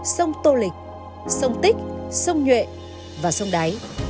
sông tô lịch sông tích sông nhuệ và sông đáy